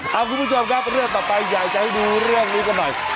เอาคุณผู้ชมครับเรื่องต่อไปอยากจะให้ดูเรื่องนี้กันหน่อย